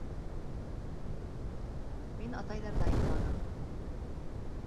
Мин атайҙарҙа йоҡланым.